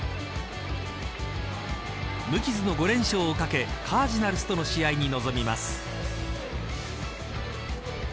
無傷の５連勝を懸けカージナルスとの試合に臨みます。